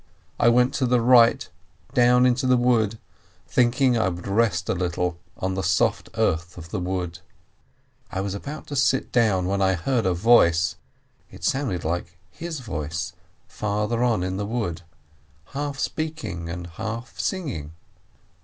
I went to the right, down into the wood, thinking I would rest a little on the soft earth of the wood. I was about to sit down, when I heard a voice (it sounded like his voice) farther on in the wood, half speaking and half singing.